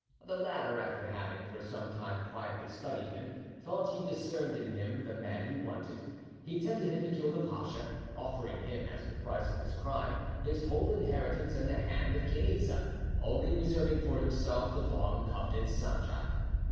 The latter, after having for some time quietly studied him, thought he discerned in him the man he wanted; he tempted him to kill the pacha, offering him, as the price of this crime, his whole inheritance and the hand of Chainitza, only reserving for himself the long coveted sanjak.